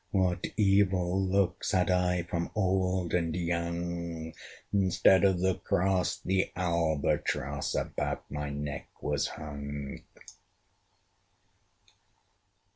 what evil looks Had I from old and young! Instead of the cross, the Albatross About my neck was hung.